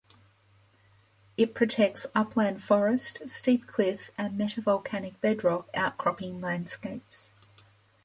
It protects upland forest, steep cliff and metavolcanic bedrock outcropping landscapes.